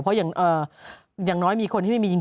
เพราะอย่างน้อยมีคนที่ไม่มีจริง